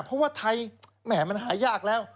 เพราะว่าไทยแหม่มันหายากแล้ว